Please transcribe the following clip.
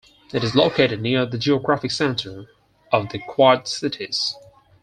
It is located near the geographic center of the Quad Cities.